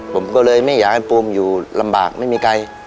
ผมก็เลยไม่อยากให้ปูมอยู่ลำบากไม่มีใคร